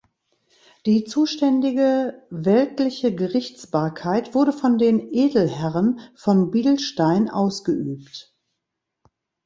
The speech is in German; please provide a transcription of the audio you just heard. Die zuständige weltliche Gerichtsbarkeit wurde von den Edelherren von Bilstein ausgeübt.